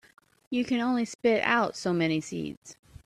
You can only spit out so many seeds.